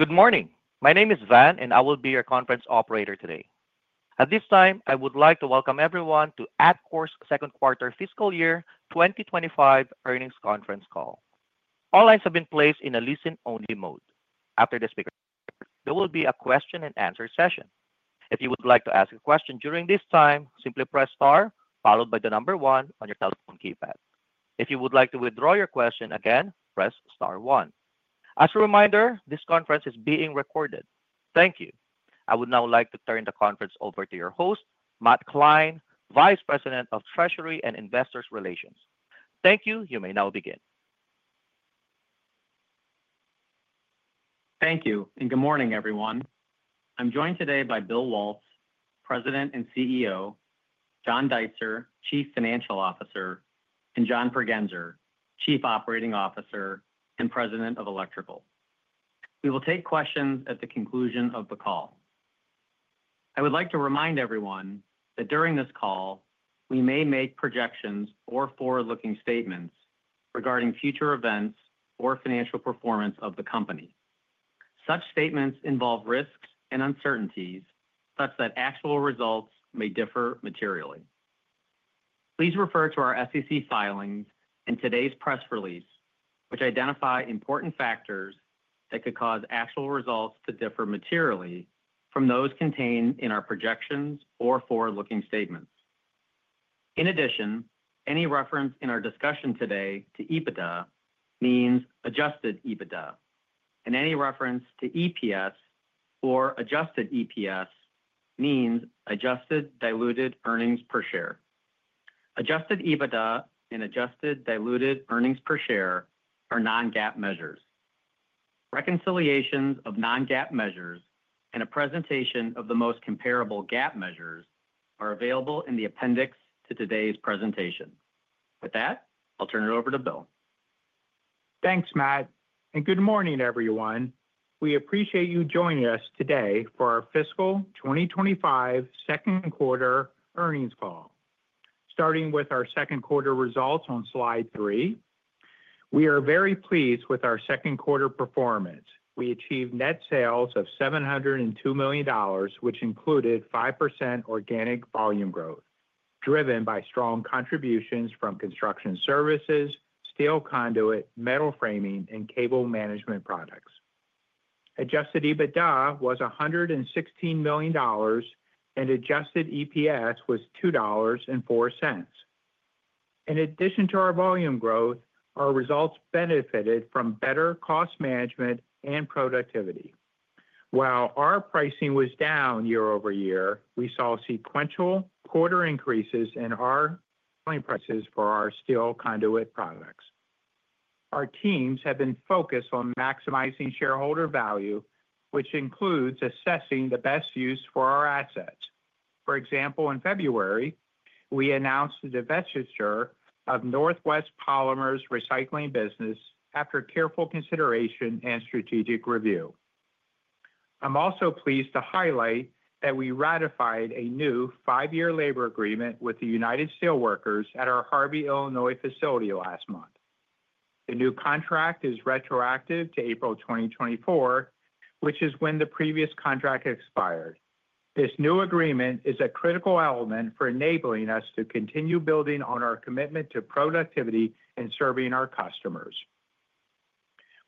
Good morning. My name is Van, and I will be your conference operator today. At this time, I would like to welcome everyone to Atkore's second quarter fiscal year 2025 earnings conference call. All lines have been placed in a listen-only mode. After the speaker, there will be a question-and-answer session. If you would like to ask a question during this time, simply press Star, followed by the number one on your telephone keypad. If you would like to withdraw your question again, press Star One. As a reminder, this conference is being recorded. Thank you. I would now like to turn the conference over to your host, Matt Kline, Vice President of Treasury and Investor Relations. Thank you. You may now begin. Thank you, and good morning, everyone. I'm joined today by Bill Waltz, President and CEO; John Deitzer, Chief Financial Officer; and John Pregenzer, Chief Operating Officer and President of Electrical. We will take questions at the conclusion of the call. I would like to remind everyone that during this call, we may make projections or forward-looking statements regarding future events or financial performance of the company. Such statements involve risks and uncertainties such that actual results may differ materially. Please refer to our SEC filings and today's press release, which identify important factors that could cause actual results to differ materially from those contained in our projections or forward-looking statements. In addition, any reference in our discussion today to EBITDA means adjusted EBITDA, and any reference to EPS or adjusted EPS means adjusted diluted earnings per share. Adjusted EBITDA and adjusted diluted earnings per share are non-GAAP measures. Reconciliations of non-GAAP measures and a presentation of the most comparable GAAP measures are available in the appendix to today's presentation. With that, I'll turn it over to Bill. Thanks, Matt, and good morning, everyone. We appreciate you joining us today for our fiscal 2025 second quarter earnings call. Starting with our second quarter results on slide three, we are very pleased with our second quarter performance. We achieved net sales of $702 million, which included 5% organic volume growth, driven by strong contributions from construction services, steel conduit, metal framing, and cable management products. Adjusted EBITDA was $116 million, and adjusted EPS was $2.04. In addition to our volume growth, our results benefited from better cost management and productivity. While our pricing was down year over year, we saw sequential quarter increases in our prices for our steel conduit products. Our teams have been focused on maximizing shareholder value, which includes assessing the best use for our assets. For example, in February, we announced the divestiture of Northwest Polymer's recycling business after careful consideration and strategic review. I'm also pleased to highlight that we ratified a new five-year labor agreement with the United Steelworkers at our Harvey, Illinois, facility last month. The new contract is retroactive to April 2024, which is when the previous contract expired. This new agreement is a critical element for enabling us to continue building on our commitment to productivity and serving our customers.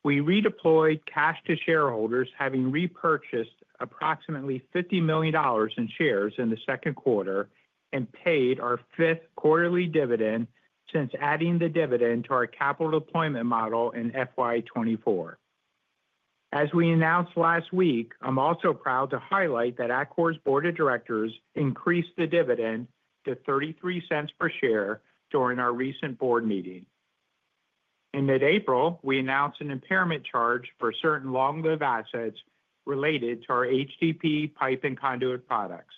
We redeployed cash to shareholders, having repurchased approximately $50 million in shares in the second quarter and paid our fifth quarterly dividend since adding the dividend to our capital deployment model in FY24. As we announced last week, I'm also proud to highlight that Atkore's board of directors increased the dividend to $0.33 per share during our recent board meeting. In mid-April, we announced an impairment charge for certain long-lived assets related to our HDPE pipe and conduit products.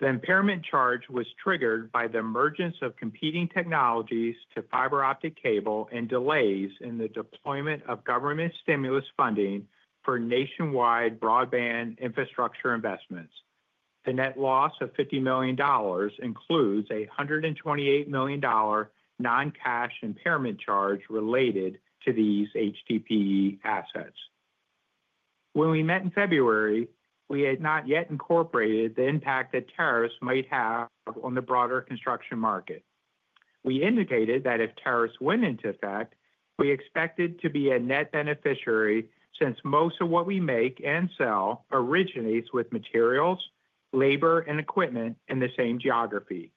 The impairment charge was triggered by the emergence of competing technologies to fiber optic cable and delays in the deployment of government stimulus funding for nationwide broadband infrastructure investments. The net loss of $50 million includes a $128 million non-cash impairment charge related to these HDPE assets. When we met in February, we had not yet incorporated the impact that tariffs might have on the broader construction market. We indicated that if tariffs went into effect, we expected to be a net beneficiary since most of what we make and sell originates with materials, labor, and equipment in the same geography.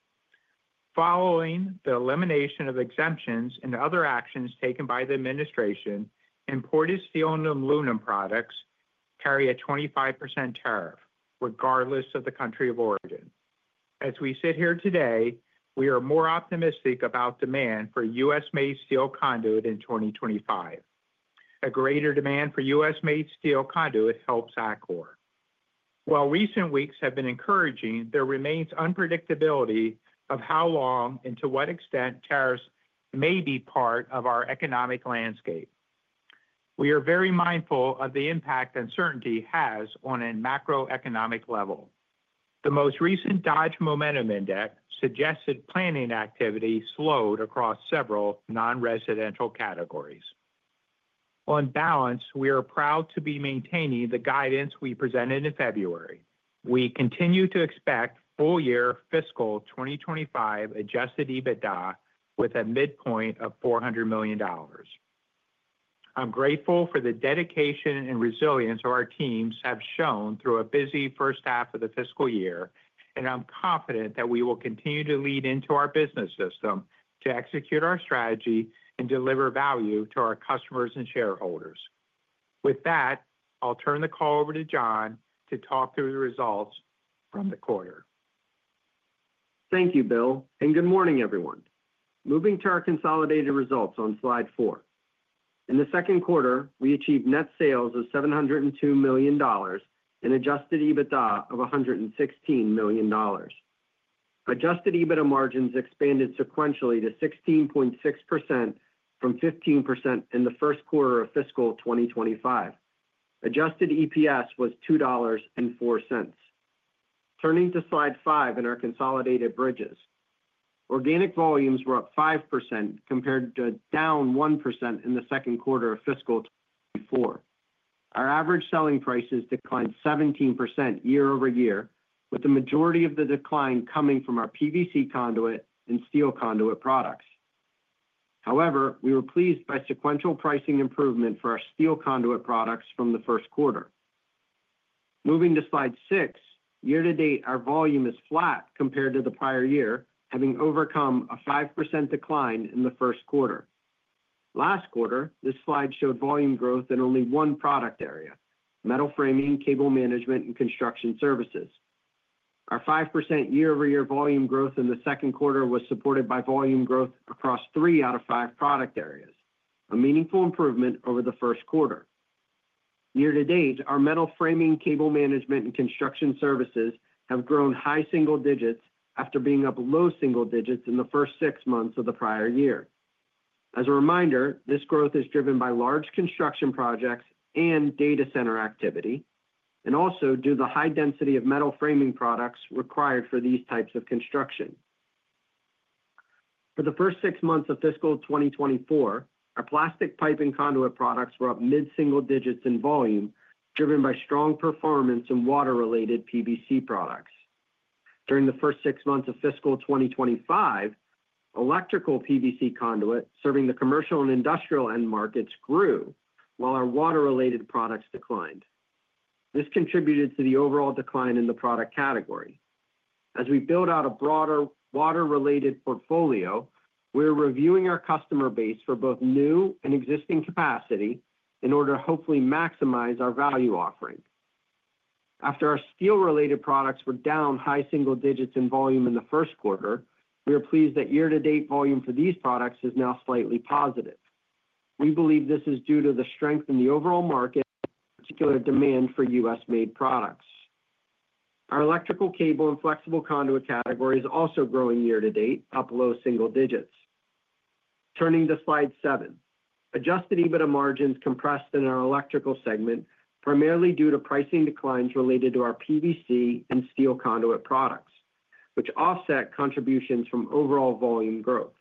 Following the elimination of exemptions and other actions taken by the administration, imported steel and aluminum products carry a 25% tariff regardless of the country of origin. As we sit here today, we are more optimistic about demand for U.S.-made steel conduit in 2025. A greater demand for U.S.-made steel conduit helps Atkore. While recent weeks have been encouraging, there remains unpredictability of how long and to what extent tariffs may be part of our economic landscape. We are very mindful of the impact uncertainty has on a macroeconomic level. The most recent Dodge Momentum Index suggested planning activity slowed across several non-residential categories. On balance, we are proud to be maintaining the guidance we presented in February. We continue to expect full year fiscal 2025 adjusted EBITDA with a midpoint of $400 million. I'm grateful for the dedication and resilience our teams have shown through a busy first half of the fiscal year, and I'm confident that we will continue to lean into our business system to execute our strategy and deliver value to our customers and shareholders. With that, I'll turn the call over to John to talk through the results from the quarter. Thank you, Bill, and good morning, everyone. Moving to our consolidated results on slide four. In the second quarter, we achieved net sales of $702 million and adjusted EBITDA of $116 million. Adjusted EBITDA margins expanded sequentially to 16.6% from 15% in the first quarter of fiscal 2025. Adjusted EPS was $2.04. Turning to slide five in our consolidated bridges, organic volumes were up 5% compared to down 1% in the second quarter of fiscal 2024. Our average selling prices declined 17% year over year, with the majority of the decline coming from our PVC conduit and steel conduit products. However, we were pleased by sequential pricing improvement for our steel conduit products from the first quarter. Moving to slide six, year to date, our volume is flat compared to the prior year, having overcome a 5% decline in the first quarter. Last quarter, this slide showed volume growth in only one product area: metal framing, cable management, and construction services. Our 5% year-over-year volume growth in the second quarter was supported by volume growth across three out of five product areas, a meaningful improvement over the first quarter. Year to date, our metal framing, cable management, and construction services have grown high single digits after being up low single digits in the first six months of the prior year. As a reminder, this growth is driven by large construction projects and data center activity, and also due to the high density of metal framing products required for these types of construction. For the first six months of fiscal 2024, our plastic pipe and conduit products were up mid-single digits in volume, driven by strong performance in water-related PVC products. During the first six months of fiscal 2025, electrical PVC conduit serving the commercial and industrial end markets grew, while our water-related products declined. This contributed to the overall decline in the product category. As we build out a broader water-related portfolio, we're reviewing our customer base for both new and existing capacity in order to hopefully maximize our value offering. After our steel-related products were down high single digits in volume in the first quarter, we are pleased that year-to-date volume for these products is now slightly positive. We believe this is due to the strength in the overall market, particularly demand for U.S.-made products. Our electrical cable and flexible conduit category is also growing year to date, up low single digits. Turning to slide seven, adjusted EBITDA margins compressed in our electrical segment, primarily due to pricing declines related to our PVC and steel conduit products, which offset contributions from overall volume growth.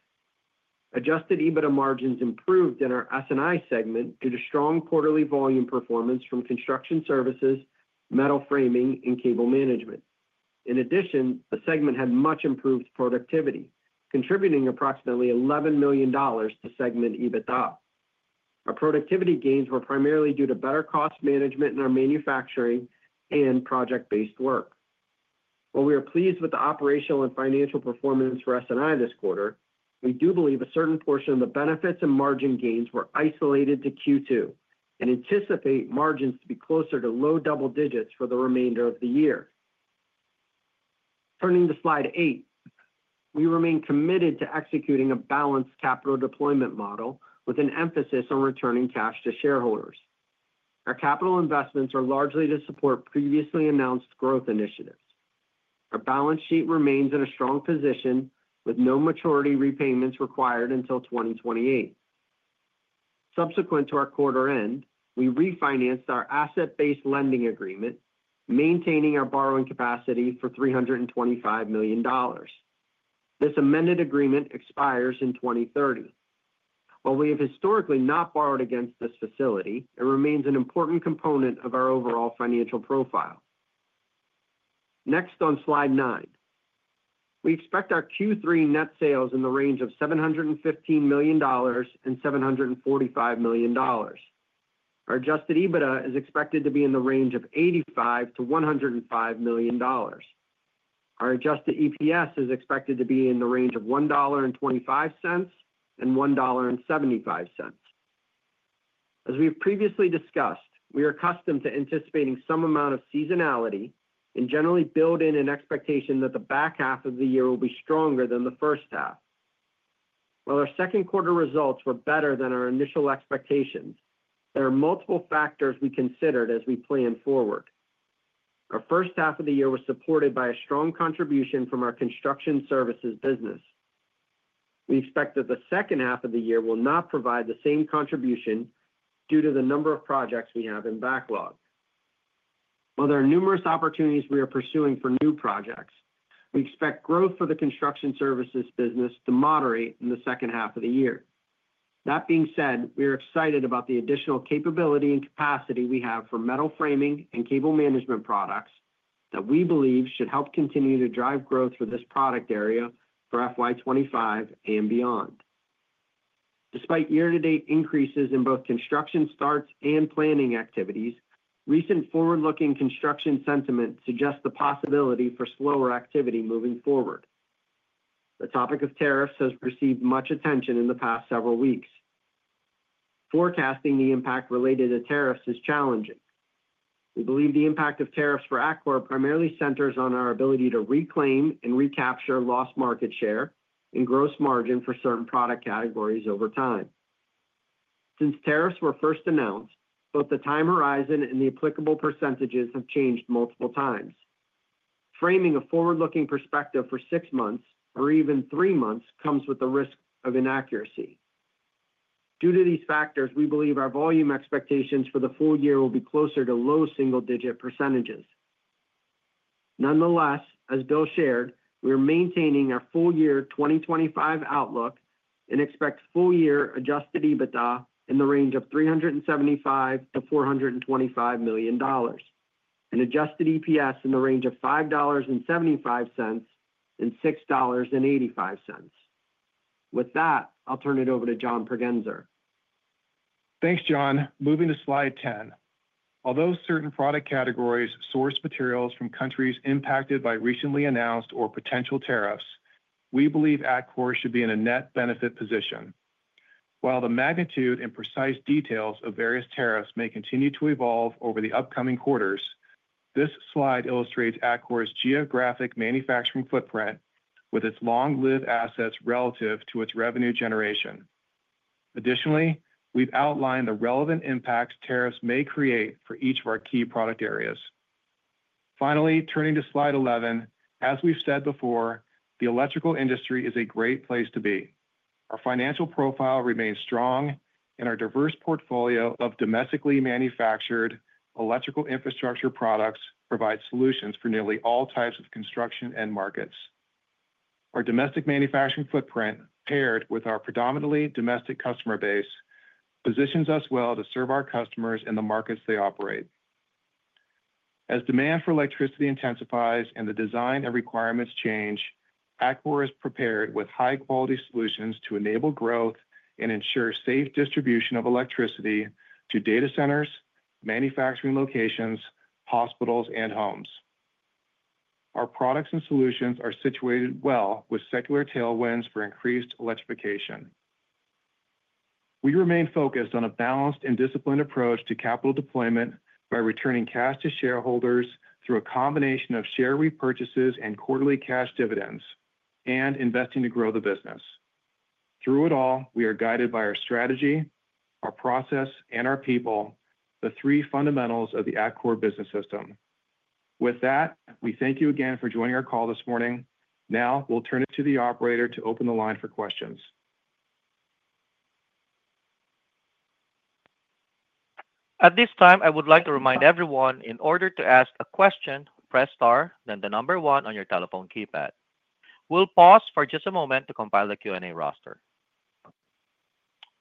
Adjusted EBITDA margins improved in our S&I segment due to strong quarterly volume performance from construction services, metal framing, and cable management. In addition, the segment had much improved productivity, contributing approximately $11 million to segment EBITDA. Our productivity gains were primarily due to better cost management in our manufacturing and project-based work. While we are pleased with the operational and financial performance for S&I this quarter, we do believe a certain portion of the benefits and margin gains were isolated to Q2 and anticipate margins to be closer to low double digits for the remainder of the year. Turning to slide eight, we remain committed to executing a balanced capital deployment model with an emphasis on returning cash to shareholders. Our capital investments are largely to support previously announced growth initiatives. Our balance sheet remains in a strong position with no maturity repayments required until 2028. Subsequent to our quarter end, we refinanced our asset-based lending agreement, maintaining our borrowing capacity for $325 million. This amended agreement expires in 2030. While we have historically not borrowed against this facility, it remains an important component of our overall financial profile. Next, on slide nine, we expect our Q3 net sales in the range of $715 million-$745 million. Our adjusted EBITDA is expected to be in the range of $85 million-$105 million. Our adjusted EPS is expected to be in the range of $1.25-$1.75. As we've previously discussed, we are accustomed to anticipating some amount of seasonality and generally build in an expectation that the back half of the year will be stronger than the first half. While our second quarter results were better than our initial expectations, there are multiple factors we considered as we plan forward. Our first half of the year was supported by a strong contribution from our construction services business. We expect that the second half of the year will not provide the same contribution due to the number of projects we have in backlog. While there are numerous opportunities we are pursuing for new projects, we expect growth for the construction services business to moderate in the second half of the year. That being said, we are excited about the additional capability and capacity we have for metal framing and cable management products that we believe should help continue to drive growth for this product area for FY25 and beyond. Despite year-to-date increases in both construction starts and planning activities, recent forward-looking construction sentiment suggests the possibility for slower activity moving forward. The topic of tariffs has received much attention in the past several weeks. Forecasting the impact related to tariffs is challenging. We believe the impact of tariffs for Atkore primarily centers on our ability to reclaim and recapture lost market share and gross margin for certain product categories over time. Since tariffs were first announced, both the time horizon and the applicable percentages have changed multiple times. Framing a forward-looking perspective for six months or even three months comes with the risk of inaccuracy. Due to these factors, we believe our volume expectations for the full year will be closer to low single-digit %. Nonetheless, as Bill shared, we are maintaining our full year 2025 outlook and expect full year adjusted EBITDA in the range of $375-$425 million and adjusted EPS in the range of $5.75-$6.85. With that, I'll turn it over to John Pregenzer. Thanks, John. Moving to slide ten. Although certain product categories source materials from countries impacted by recently announced or potential tariffs, we believe Atkore should be in a net benefit position. While the magnitude and precise details of various tariffs may continue to evolve over the upcoming quarters, this slide illustrates Atkore's geographic manufacturing footprint with its long-lived assets relative to its revenue generation. Additionally, we've outlined the relevant impacts tariffs may create for each of our key product areas. Finally, turning to slide 11, as we've said before, the electrical industry is a great place to be. Our financial profile remains strong, and our diverse portfolio of domestically manufactured electrical infrastructure products provides solutions for nearly all types of construction end markets. Our domestic manufacturing footprint, paired with our predominantly domestic customer base, positions us well to serve our customers in the markets they operate. As demand for electricity intensifies and the design and requirements change, Atkore is prepared with high-quality solutions to enable growth and ensure safe distribution of electricity to data centers, manufacturing locations, hospitals, and homes. Our products and solutions are situated well with secular tailwinds for increased electrification. We remain focused on a balanced and disciplined approach to capital deployment by returning cash to shareholders through a combination of share repurchases and quarterly cash dividends and investing to grow the business. Through it all, we are guided by our strategy, our process, and our people, the three fundamentals of the Atkore business system. With that, we thank you again for joining our call this morning. Now we'll turn it to the operator to open the line for questions. At this time, I would like to remind everyone in order to ask a question, press star, then the number one on your telephone keypad. We'll pause for just a moment to compile the Q&A roster.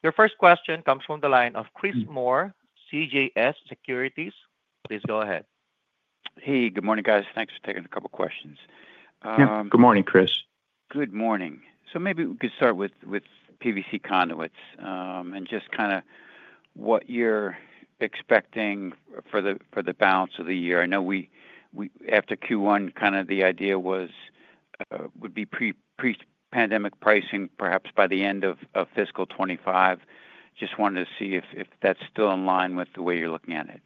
Your first question comes from the line of Chris Moore, CJS Securities. Please go ahead. Hey, good morning, guys. Thanks for taking a couple of questions. Yeah, good morning, Chris. Good morning. Maybe we could start with PVC conduit and just kind of what you're expecting for the balance of the year. I know after Q1, kind of the idea would be pre-pandemic pricing, perhaps by the end of fiscal 2025. Just wanted to see if that's still in line with the way you're looking at it.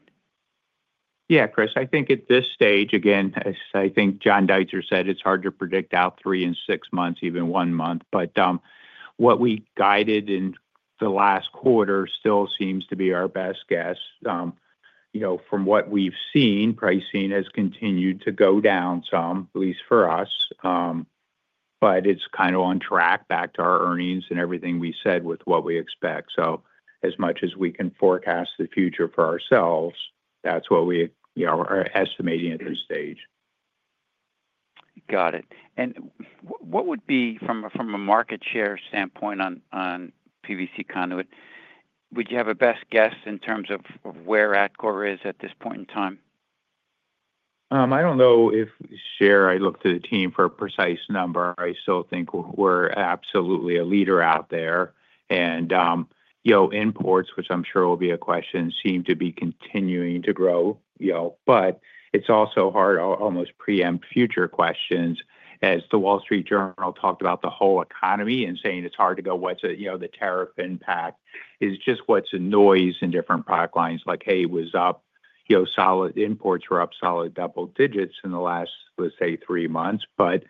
Yeah, Chris, I think at this stage, again, I think John Deitzer said it's hard to predict out three and six months, even one month. What we guided in the last quarter still seems to be our best guess. From what we've seen, pricing has continued to go down some, at least for us, but it's kind of on track back to our earnings and everything we said with what we expect. As much as we can forecast the future for ourselves, that's what we are estimating at this stage. Got it. What would be, from a market share standpoint on PVC conduit, would you have a best guess in terms of where Atkore is at this point in time? I don't know if share. I looked at the team for a precise number. I still think we're absolutely a leader out there. Imports, which I'm sure will be a question, seem to be continuing to grow. It's also hard, almost preempt future questions, as the Wall Street Journal talked about the whole economy and saying it's hard to go what's the tariff impact. It's just what's the noise in different product lines, like, "Hey, was up solid imports were up solid double digits in the last, let's say, three months," but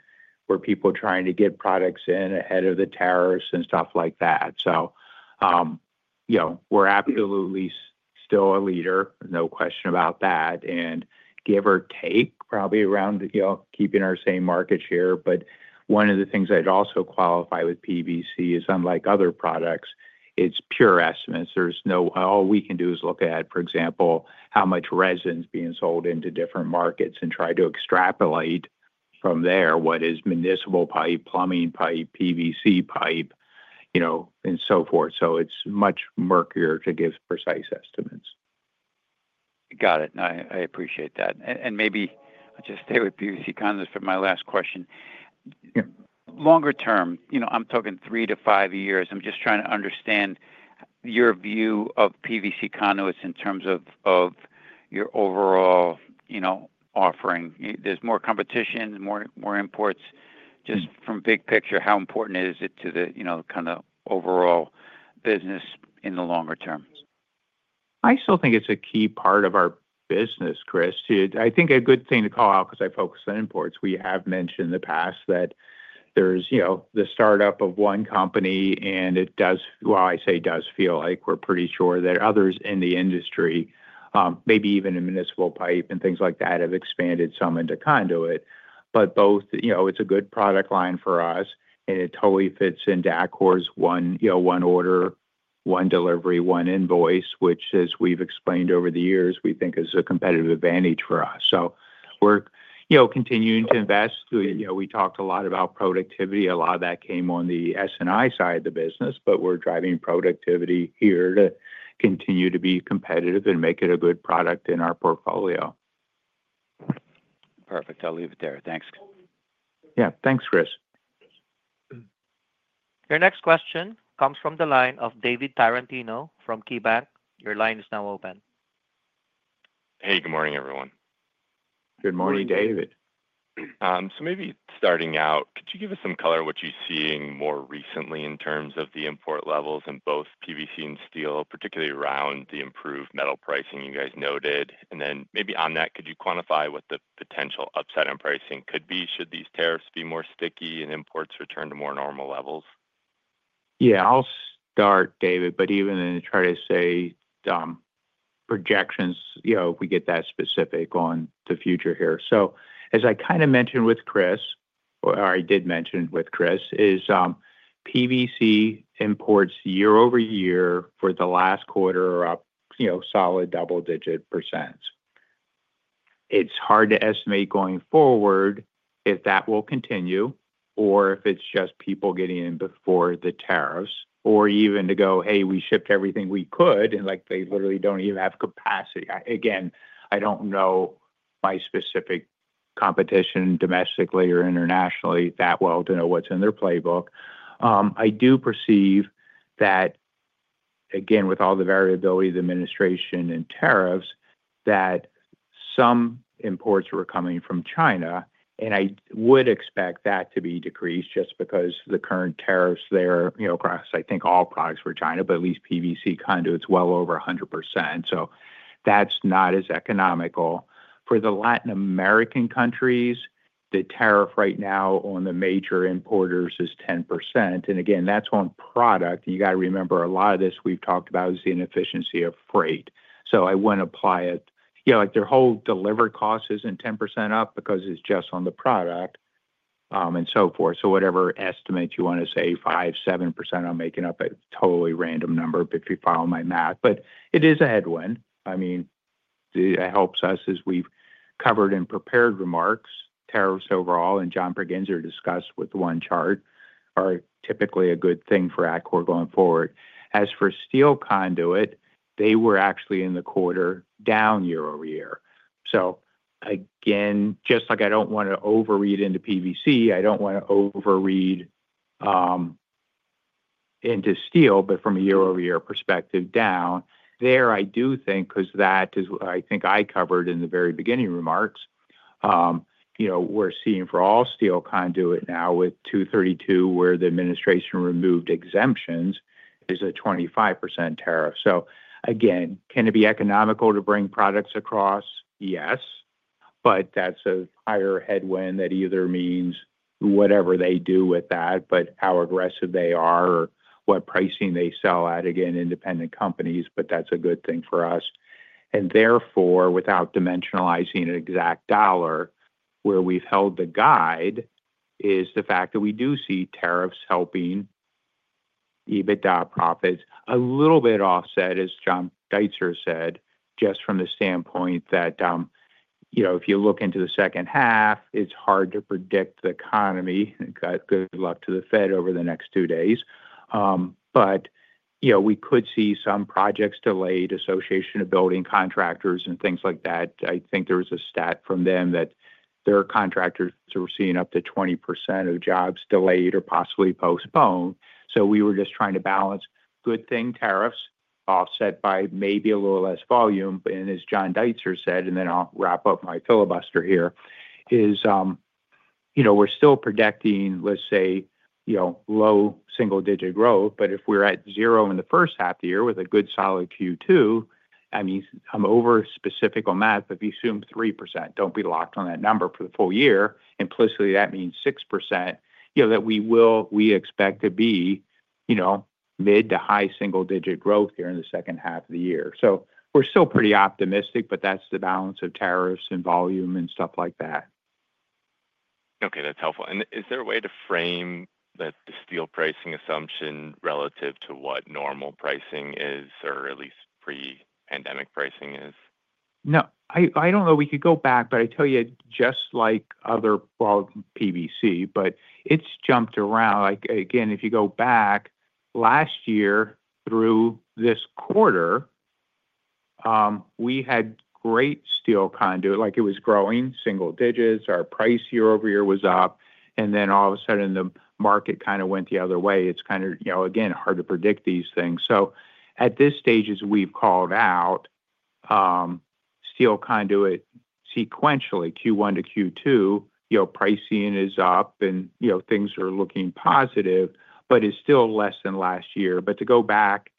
were people trying to get products in ahead of the tariffs and stuff like that? We're absolutely still a leader, no question about that, and give or take probably around keeping our same market share. One of the things I'd also qualify with PVC is, unlike other products, it's pure estimates. There's no—all we can do is look at, for example, how much resin is being sold into different markets and try to extrapolate from there what is municipal pipe, plumbing pipe, PVC pipe, and so forth. So it's much murkier to give precise estimates. Got it. I appreciate that. Maybe I'll just stay with PVC conduit for my last question. Longer term, I'm talking three to five years. I'm just trying to understand your view of PVC conduit in terms of your overall offering. There's more competition, more imports. Just from big picture, how important is it to the kind of overall business in the longer term? I still think it's a key part of our business, Chris. I think a good thing to call out because I focus on imports, we have mentioned in the past that there's the startup of one company, and it does—well, I say does feel like we're pretty sure that others in the industry, maybe even in municipal pipe and things like that, have expanded some into conduit. Both, it's a good product line for us, and it totally fits into Atkore's one order, one delivery, one invoice, which, as we've explained over the years, we think is a competitive advantage for us. We are continuing to invest. We talked a lot about productivity. A lot of that came on the S&I side of the business, but we're driving productivity here to continue to be competitive and make it a good product in our portfolio. Perfect. I'll leave it there. Thanks. Yeah, thanks, Chris. Your next question comes from the line of David Tarantino from KeyBanc. Your line is now open. Hey, good morning, everyone. Good morning, David. Maybe starting out, could you give us some color of what you're seeing more recently in terms of the import levels in both PVC and steel, particularly around the improved metal pricing you guys noted? Then maybe on that, could you quantify what the potential upside in pricing could be should these tariffs be more sticky and imports return to more normal levels? Yeah, I'll start, David, but even then try to say projections if we get that specific on the future here. As I kind of mentioned with Chris, or I did mention with Chris, is PVC imports year over year for the last quarter are up solid double-digit %. It's hard to estimate going forward if that will continue or if it's just people getting in before the tariffs or even to go, "Hey, we shipped everything we could," and they literally do not even have capacity. Again, I do not know my specific competition domestically or internationally that well to know what's in their playbook. I do perceive that, again, with all the variability of the administration and tariffs, that some imports were coming from China, and I would expect that to be decreased just because the current tariffs there across, I think, all products for China, but at least PVC conduit, well over 100%. That is not as economical. For the Latin American countries, the tariff right now on the major importers is 10%. Again, that is on product. You got to remember a lot of this we have talked about is the inefficiency of freight. I would not apply it. Their whole delivered cost is not 10% up because it is just on the product and so forth. Whatever estimate you want to say, 5-7%—I am making up a totally random number if you follow my math. It is a headwind. I mean, it helps us as we have covered in prepared remarks. Tariffs overall, and John Pregenzer discussed with one chart, are typically a good thing for Atkore going forward. As for steel conduit, they were actually in the quarter down year over year. Just like I do not want to overread into PVC, I do not want to overread into steel, but from a year-over-year perspective, down. I do think, because that is what I think I covered in the very beginning remarks, we are seeing for all steel conduit now with 232, where the administration removed exemptions, is a 25% tariff. Can it be economical to bring products across? Yes. That is a higher headwind that either means whatever they do with that, but how aggressive they are or what pricing they sell at, independent companies, but that is a good thing for us. Therefore, without dimensionalizing an exact dollar, where we've held the guide is the fact that we do see tariffs helping EBITDA profits. A little bit offset, as John Deitzer said, just from the standpoint that if you look into the second half, it's hard to predict the economy. Good luck to the Fed over the next two days. We could see some projects delayed, association of building contractors and things like that. I think there was a stat from them that their contractors were seeing up to 20% of jobs delayed or possibly postponed. We were just trying to balance good thing tariffs offset by maybe a little less volume. As John Deitzer said, and then I'll wrap up my filibuster here, we're still projecting, let's say, low single-digit growth. If we're at zero in the first half of the year with a good solid Q2, I mean, I'm over specific on that, but if you assume 3%, don't be locked on that number for the full year, implicitly that means 6%, that we expect to be mid to high single-digit growth here in the second half of the year. We're still pretty optimistic, but that's the balance of tariffs and volume and stuff like that. Okay, that's helpful. Is there a way to frame the steel pricing assumption relative to what normal pricing is or at least pre-pandemic pricing is? No. I do not know if we could go back, but I tell you, just like other PVC, but it has jumped around. Again, if you go back last year through this quarter, we had great steel conduit. It was growing single digits. Our price year over year was up. All of a sudden, the market kind of went the other way. It is kind of, again, hard to predict these things. At this stage, as we have called out, steel conduit sequentially Q1 to Q2, pricing is up and things are looking positive, but it is still less than last year. To go back,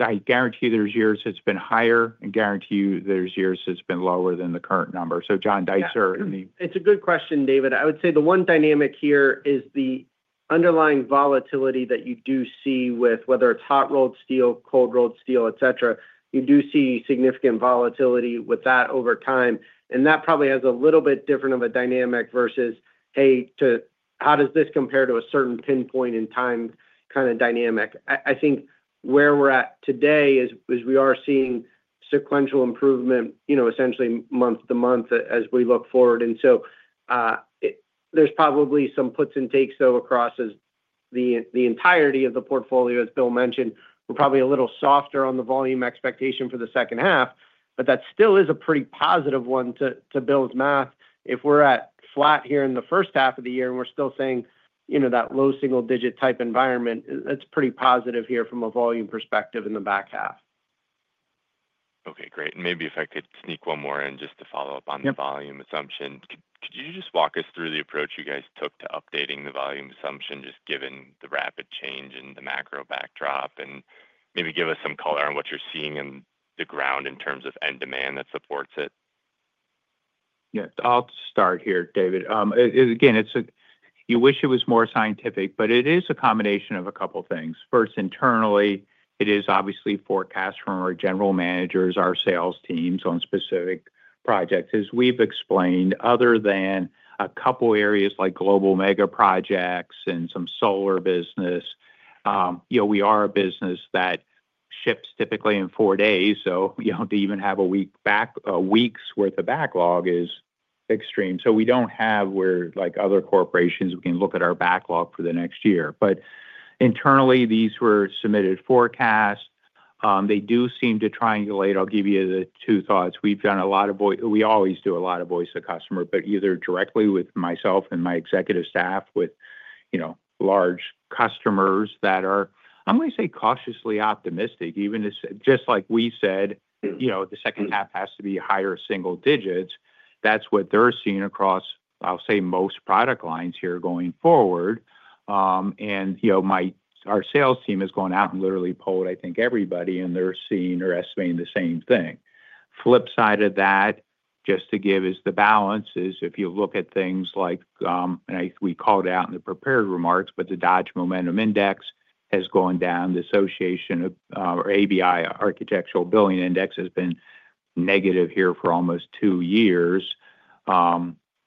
I guarantee there are years it has been higher and guarantee you there are years it has been lower than the current number. So John Deitzer. It's a good question, David. I would say the one dynamic here is the underlying volatility that you do see with whether it's hot-rolled steel, cold-rolled steel, etc. You do see significant volatility with that over time. That probably has a little bit different of a dynamic versus, "Hey, how does this compare to a certain pinpoint in time kind of dynamic?" I think where we're at today is we are seeing sequential improvement essentially month to month as we look forward. There are probably some puts and takes though across the entirety of the portfolio, as Bill mentioned. We're probably a little softer on the volume expectation for the second half, but that still is a pretty positive one to Bill's math. If we're at flat here in the first half of the year and we're still seeing that low single-digit type environment, it's pretty positive here from a volume perspective in the back half. Okay, great. Maybe if I could sneak one more in just to follow up on the volume assumption, could you just walk us through the approach you guys took to updating the volume assumption just given the rapid change in the macro backdrop and maybe give us some color on what you're seeing in the ground in terms of end demand that supports it? Yeah, I'll start here, David. Again, you wish it was more scientific, but it is a combination of a couple of things. First, internally, it is obviously forecast from our general managers, our sales teams on specific projects. As we've explained, other than a couple of areas like global mega projects and some solar business, we are a business that ships typically in four days. To even have a week's worth of backlog is extreme. We do not have where other corporations can look at our backlog for the next year. Internally, these were submitted forecasts. They do seem to triangulate. I'll give you the two thoughts. We've done a lot of—we always do a lot of voice to customer, but either directly with myself and my executive staff with large customers that are, I'm going to say, cautiously optimistic, even just like we said, the second half has to be higher single digits. That's what they're seeing across, I'll say, most product lines here going forward. Our sales team has gone out and literally polled, I think, everybody, and they're seeing or estimating the same thing. The flip side of that, just to give is the balance is if you look at things like, and we called it out in the prepared remarks, but the Dodge Momentum Index has gone down. The ABI Architectural Building Index has been negative here for almost two years.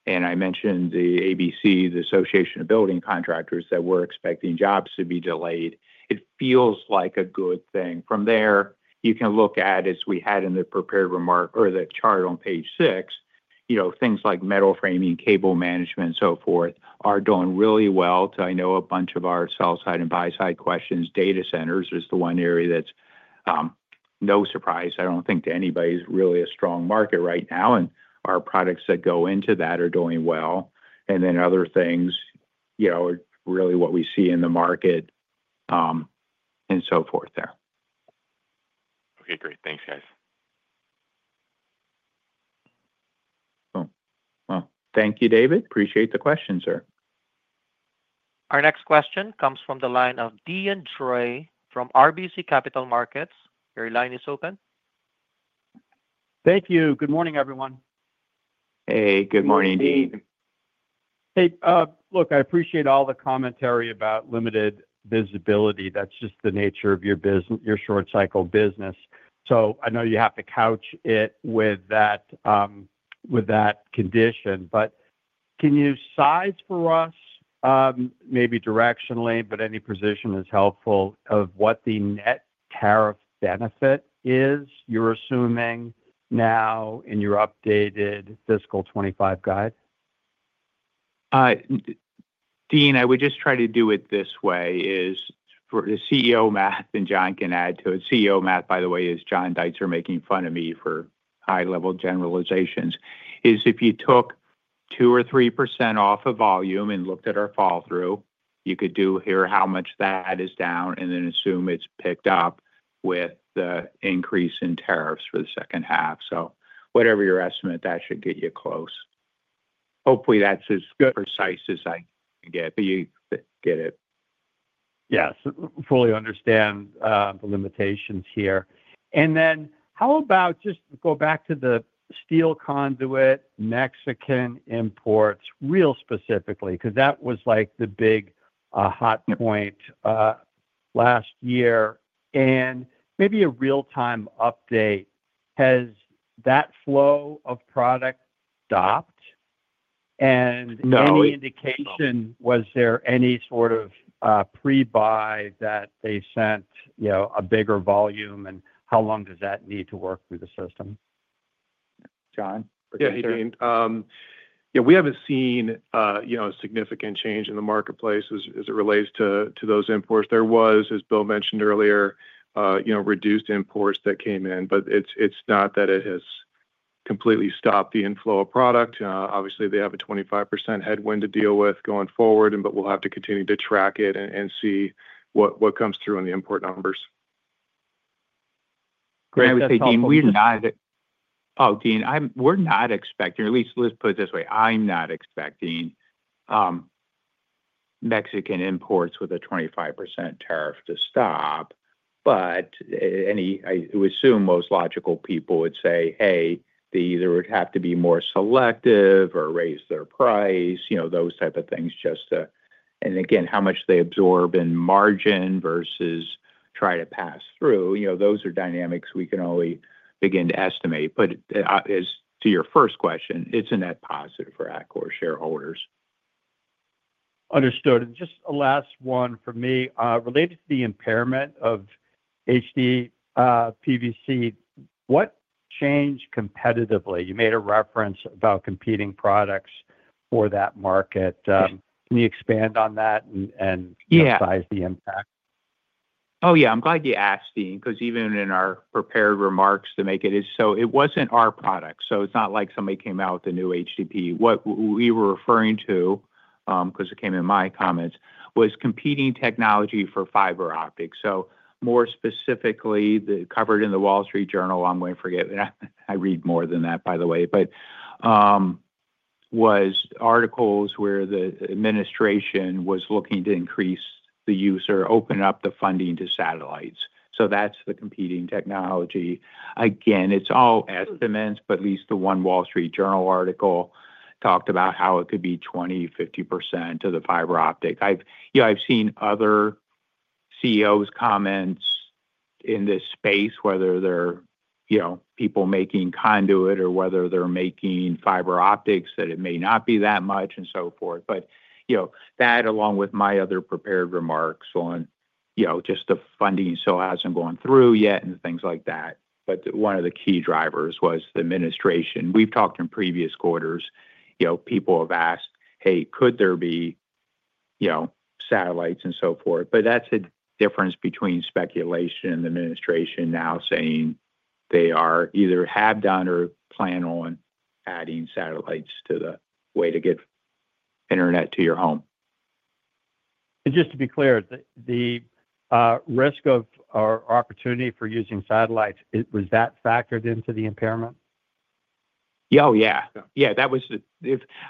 I mentioned the ABC, the Association of Building Contractors, that we're expecting jobs to be delayed. It feels like a good thing. From there, you can look at, as we had in the prepared remark or the chart on page six, things like metal framing, cable management, and so forth are doing really well. I know a bunch of our sell-side and buy-side questions, data centers is the one area that's no surprise. I do not think to anybody is really a strong market right now, and our products that go into that are doing well. Other things are really what we see in the market and so forth there. Okay, great. Thanks, guys. Thank you, David. Appreciate the question, sir. Our next question comes from the line of Deane Dray from RBC Capital Markets. Your line is open. Thank you. Good morning, everyone. Hey, good morning, Dean. Hey, look, I appreciate all the commentary about limited visibility. That's just the nature of your short-cycle business. I know you have to couch it with that condition, but can you size for us maybe directionally, but any position is helpful of what the net tariff benefit is you're assuming now in your updated fiscal 2025 guide? Deane, I would just try to do it this way: the CEO math, and John can add to it. CEO math, by the way, is John Deitzer making fun of me for high-level generalizations. If you took 2% or 3% off a volume and looked at our fall-through, you could hear how much that is down and then assume it's picked up with the increase in tariffs for the second half. So whatever your estimate, that should get you close. Hopefully, that's as precise as I can get. You get it. Yes, fully understand the limitations here. Then how about just go back to the steel conduit, Mexican imports real specifically, because that was the big hot point last year. Maybe a real-time update. Has that flow of product stopped? Any indication, was there any sort of pre-buy that they sent a bigger volume? How long does that need to work through the system? John? Yeah, hey, Deane. Yeah, we have not seen a significant change in the marketplace as it relates to those imports. There was, as Bill mentioned earlier, reduced imports that came in, but it is not that it has completely stopped the inflow of product. Obviously, they have a 25% headwind to deal with going forward, but we will have to continue to track it and see what comes through in the import numbers. Great. I would say, Deane, we're not—we're not expecting—or at least let's put it this way: I'm not expecting Mexican imports with a 25% tariff to stop. I would assume most logical people would say, "Hey, they either would have to be more selective or raise their price," those type of things. Again, how much they absorb in margin versus try to pass through, those are dynamics we can only begin to estimate. To your first question, it's a net positive for Atkore shareholders. Understood. Just a last one for me. Related to the impairment of HD PVC, what changed competitively? You made a reference about competing products for that market. Can you expand on that and size the impact? Oh, yeah. I'm glad you asked, Deane, because even in our prepared remarks to make it, it wasn't our product. So it's not like somebody came out with a new HDPE. What we were referring to, because it came in my comments, was competing technology for fiber optics. More specifically, covered in the Wall Street Journal, I'm going to forget—I read more than that, by the way—but was articles where the administration was looking to increase the use or open up the funding to satellites. That's the competing technology. Again, it's all estimates, but at least the one Wall Street Journal article talked about how it could be 20-50% of the fiber optic. I've seen other CEOs' comments in this space, whether they're people making conduit or whether they're making fiber optics, that it may not be that much and so forth. That, along with my other prepared remarks on just the funding still has not gone through yet and things like that. One of the key drivers was the administration. We have talked in previous quarters. People have asked, "Hey, could there be satellites?" and so forth. That is a difference between speculation and the administration now saying they either have done or plan on adding satellites to the way to get internet to your home. Just to be clear, the risk of or opportunity for using satellites, was that factored into the impairment? Oh, yeah. Yeah.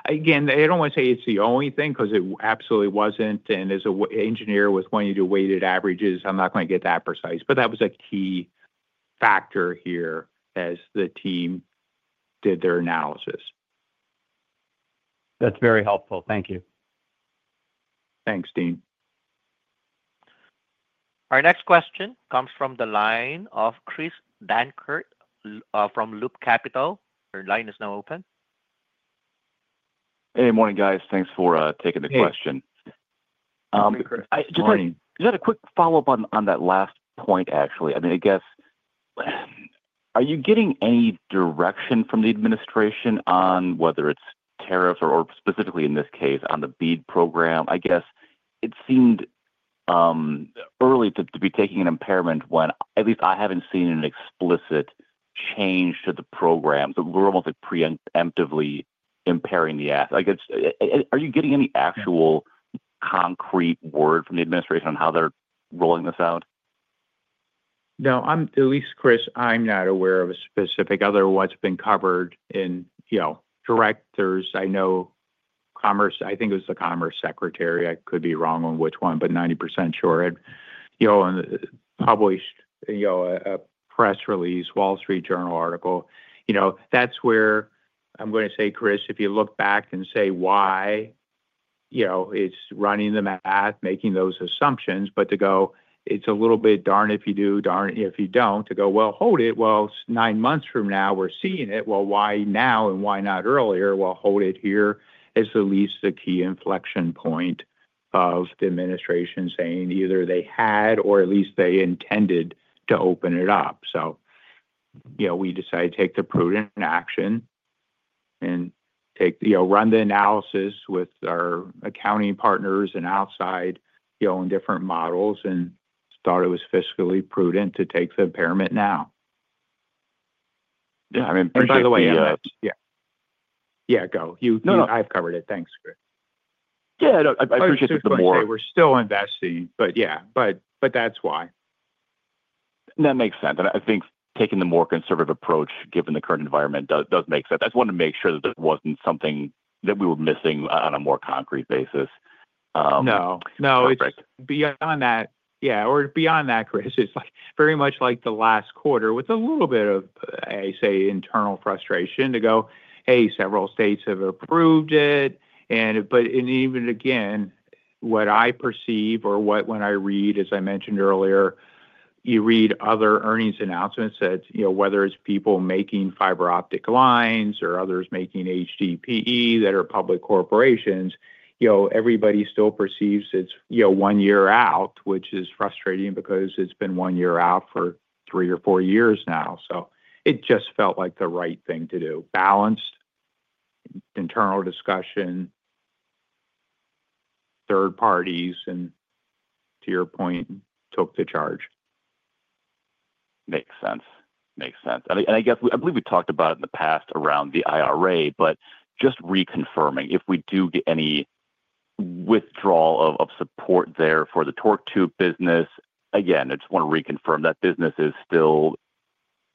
Again, I don't want to say it's the only thing because it absolutely wasn't. As an engineer with one of your weighted averages, I'm not going to get that precise. That was a key factor here as the team did their analysis. That's very helpful. Thank you. Thanks, Deane. Our next question comes from the line of Chris Dankert from Loop Capital. Your line is now open. Hey, morning, guys. Thanks for taking the question. Just had a quick follow-up on that last point, actually. I mean, I guess, are you getting any direction from the administration on whether it's tariffs or specifically, in this case, on the BEAD program? I guess it seemed early to be taking an impairment when at least I haven't seen an explicit change to the program. So we're almost preemptively impairing the ask. Are you getting any actual concrete word from the administration on how they're rolling this out? No, at least Chris, I'm not aware of a specific other what's been covered in directors. I know Commerce—I think it was the Commerce Secretary. I could be wrong on which one, but 90% sure. And published a press release, Wall Street Journal article. That's where I'm going to say, Chris, if you look back and say, "Why?" It's running the math, making those assumptions. To go, "It's a little bit darn if you do, darn if you don't," to go, "Hold it. It's nine months from now. We're seeing it. Why now and why not earlier?" Hold it here is at least the key inflection point of the administration saying either they had or at least they intended to open it up. We decided to take the prudent action and run the analysis with our accounting partners and outside on different models and thought it was fiscally prudent to take the impairment now. I mean, by the way, yeah. Go. I've covered it. Thanks, Chris. Yeah, I appreciate the more. I appreciate that they were still investing, but yeah. That is why. That makes sense. I think taking the more conservative approach, given the current environment, does make sense. I just wanted to make sure that there was not something that we were missing on a more concrete basis. No. No, it's beyond that. Yeah. Or beyond that, Chris, it's very much like the last quarter with a little bit of, I say, internal frustration to go, "Hey, several states have approved it." Even again, what I perceive or when I read, as I mentioned earlier, you read other earnings announcements that whether it's people making fiber optic lines or others making HDPE that are public corporations, everybody still perceives it's one year out, which is frustrating because it's been one year out for three or four years now. It just felt like the right thing to do. Balanced internal discussion, third parties, and to your point, took the charge. Makes sense. Makes sense. I guess I believe we talked about it in the past around the IRA, but just reconfirming if we do get any withdrawal of support there for the torque tube business. Again, I just want to reconfirm that business is still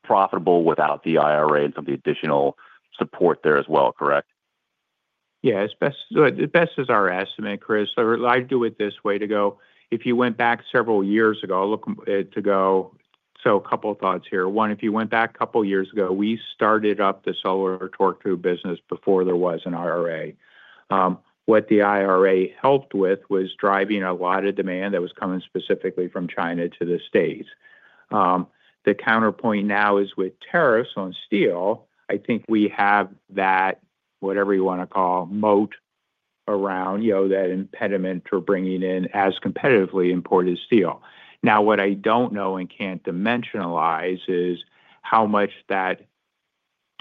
profitable without the IRA and some of the additional support there as well, correct? Yeah. The best is our estimate, Chris. I'd do it this way to go. If you went back several years ago, to go, so a couple of thoughts here. One, if you went back a couple of years ago, we started up the solar torque tube business before there was an IRA. What the IRA helped with was driving a lot of demand that was coming specifically from China to the States. The counterpoint now is with tariffs on steel. I think we have that, whatever you want to call, moat around that impediment for bringing in as competitively imported steel. Now, what I don't know and can't dimensionalize is how much that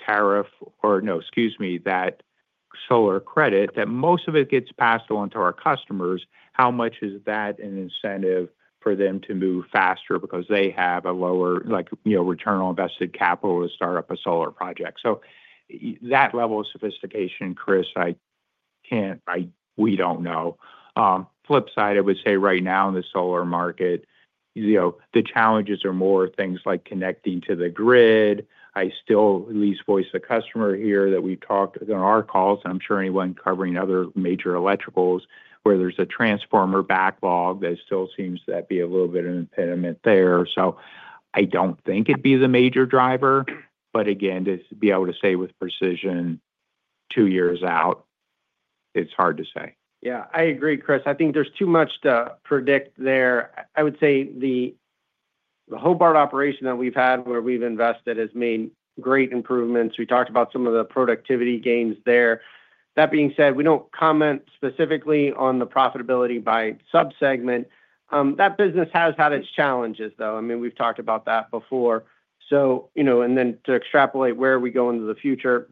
tariff or, no, excuse me, that solar credit, that most of it gets passed on to our customers, how much is that an incentive for them to move faster because they have a lower return on invested capital to start up a solar project. So that level of sophistication, Chris, we don't know. Flip side, I would say right now in the solar market, the challenges are more things like connecting to the grid. I still at least voice the customer here that we've talked on our calls, and I'm sure anyone covering other major electricals where there's a transformer backlog, there still seems to be a little bit of impediment there. I don't think it'd be the major driver. Again, to be able to say with precision two years out, it's hard to say. Yeah, I agree, Chris. I think there's too much to predict there. I would say the Hobart operation that we've had where we've invested has made great improvements. We talked about some of the productivity gains there. That being said, we don't comment specifically on the profitability by subsegment. That business has had its challenges, though. I mean, we've talked about that before. And then to extrapolate where we go into the future,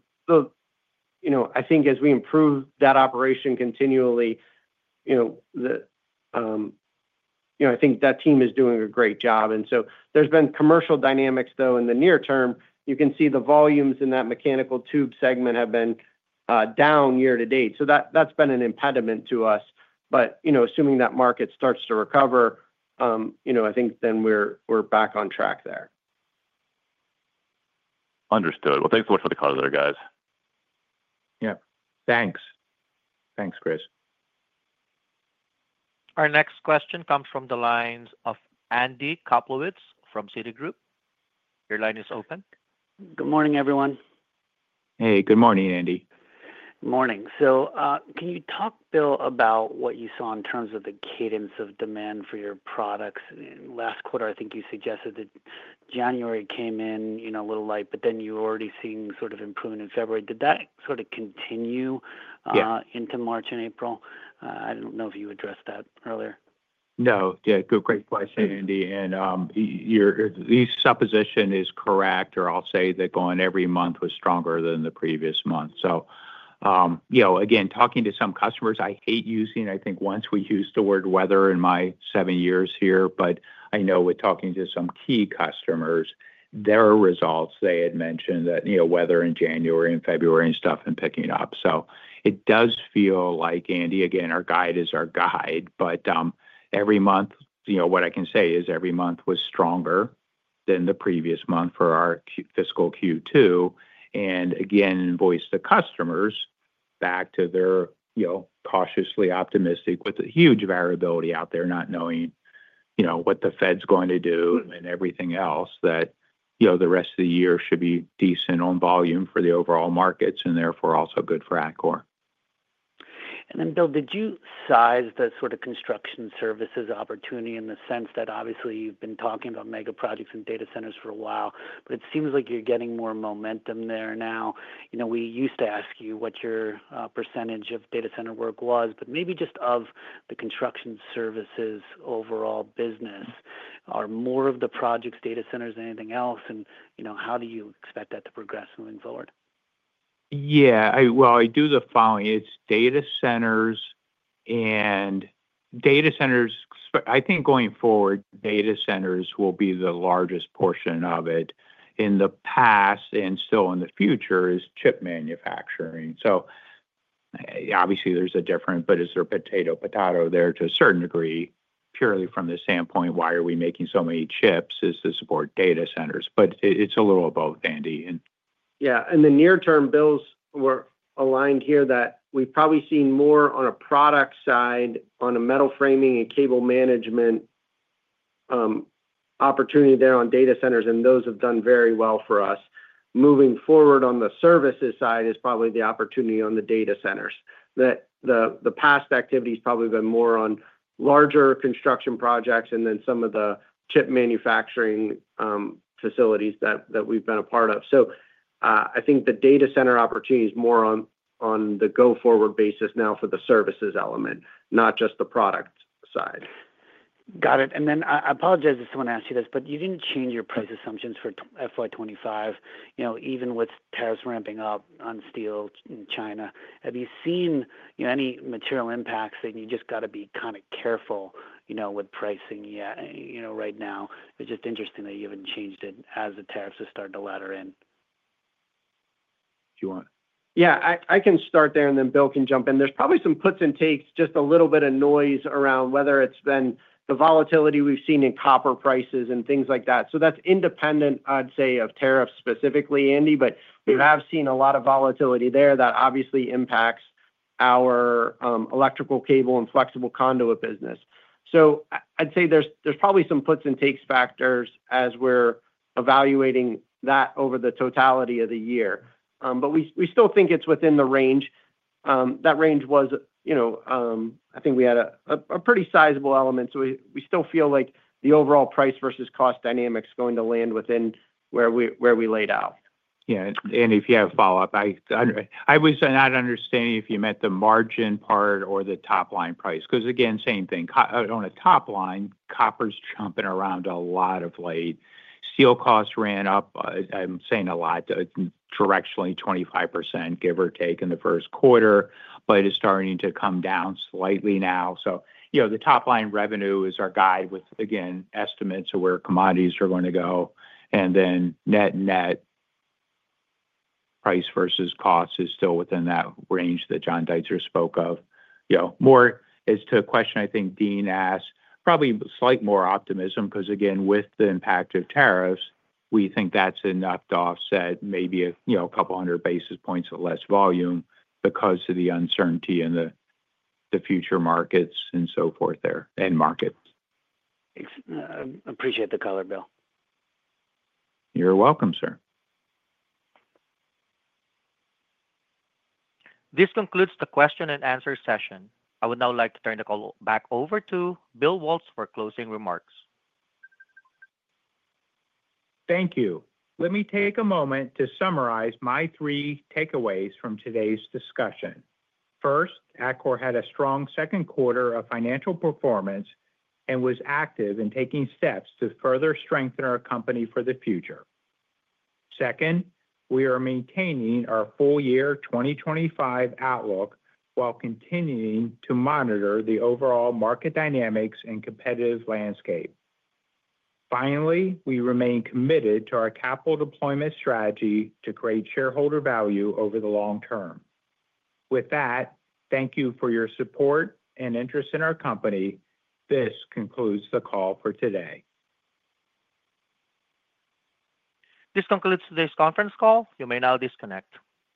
I think as we improve that operation continually, I think that team is doing a great job. There have been commercial dynamics, though, in the near term. You can see the volumes in that mechanical tube segment have been down year to date. That has been an impediment to us. Assuming that market starts to recover, I think then we're back on track there. Understood. Thanks so much for the call there, guys. Yeah. Thanks. Thanks, Chris. Our next question comes from the lines of Andy Kaplowitz from Citigroup. Your line is open. Good morning, everyone. Hey, good morning, Andy. Good morning. Can you talk, Bill, about what you saw in terms of the cadence of demand for your products? Last quarter, I think you suggested that January came in a little light, but then you were already seeing sort of improvement in February. Did that sort of continue into March and April? I do not know if you addressed that earlier. No. Yeah, great point, Andy. And your supposition is correct, or I'll say that going every month was stronger than the previous month. Again, talking to some customers, I hate using—I think once we used the word weather in my seven years here, but I know with talking to some key customers, their results, they had mentioned that weather in January and February and stuff and picking up. It does feel like, Andy, again, our guide is our guide. Every month, what I can say is every month was stronger than the previous month for our fiscal Q2. Again, voice the customers back to their cautiously optimistic with a huge variability out there, not knowing what the Fed's going to do and everything else, that the rest of the year should be decent on volume for the overall markets and therefore also good for Atkore. Bill, did you size the sort of construction services opportunity in the sense that obviously you've been talking about mega projects and data centers for a while, but it seems like you're getting more momentum there now? We used to ask you what your percentage of data center work was, but maybe just of the construction services overall business. Are more of the projects data centers than anything else? How do you expect that to progress moving forward? Yeah. I do the following. It's data centers. I think going forward, data centers will be the largest portion of it. In the past and still in the future is chip manufacturing. Obviously, there's a difference, but it's a potato-potato there to a certain degree purely from the standpoint, why are we making so many chips? It's to support data centers. It's a little of both, Andy. Yeah. In the near term, Bill, we're aligned here that we've probably seen more on a product side on metal framing and cable management opportunity there on data centers, and those have done very well for us. Moving forward on the services side is probably the opportunity on the data centers. The past activity has probably been more on larger construction projects and then some of the chip manufacturing facilities that we've been a part of. I think the data center opportunity is more on the go-forward basis now for the services element, not just the product side. Got it. I apologize if someone asked you this, but you did not change your price assumptions for FY25, even with tariffs ramping up on steel in China. Have you seen any material impacts that you just got to be kind of careful with pricing yet right now? It is just interesting that you have not changed it as the tariffs have started to ladder in. Do you want? Yeah, I can start there, and then Bill can jump in. There's probably some puts and takes, just a little bit of noise around whether it's been the volatility we've seen in copper prices and things like that. That's independent, I'd say, of tariffs specifically, Andy, but we have seen a lot of volatility there that obviously impacts our electrical cable and flexible conduit business. I'd say there's probably some puts and takes factors as we're evaluating that over the totality of the year. We still think it's within the range. That range was, I think we had a pretty sizable element. We still feel like the overall price versus cost dynamic is going to land within where we laid out. Yeah. If you have a follow-up, I was not understanding if you meant the margin part or the top-line price. Because again, same thing. On a top line, copper's jumping around a lot of late. Steel costs ran up, I'm saying a lot, directionally 25%, give or take, in the first quarter, but it's starting to come down slightly now. The top-line revenue is our guide with, again, estimates of where commodities are going to go. Net-net price versus cost is still within that range that John Deitzer spoke of. More as to a question I think Deane asked, probably slight more optimism because, again, with the impact of tariffs, we think that's enough to offset maybe a couple hundred basis points of less volume because of the uncertainty in the future markets and so forth there and markets. Thanks. I appreciate the color, Bill. You're welcome, sir. This concludes the question-and-answer session. I would now like to turn the call back over to Bill Waltz for closing remarks. Thank you. Let me take a moment to summarize my three takeaways from today's discussion. First, Atkore had a strong second quarter of financial performance and was active in taking steps to further strengthen our company for the future. Second, we are maintaining our full-year 2025 outlook while continuing to monitor the overall market dynamics and competitive landscape. Finally, we remain committed to our capital deployment strategy to create shareholder value over the long term. With that, thank you for your support and interest in our company. This concludes the call for today. This concludes today's conference call. You may now disconnect.